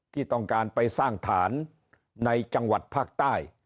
ที่ต้องการไปสร้างฐานในจังหวัดภาคใต้